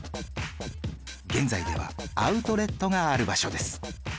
現在ではアウトレットがある場所です